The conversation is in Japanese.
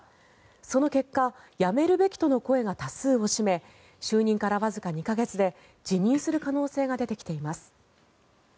その結果、辞めるべきとの声が多数を占め就任からわずか２か月で辞任する可能性が出てきてます。